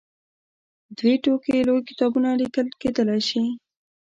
دوې ټوکه لوی کتابونه لیکل کېدلای شي.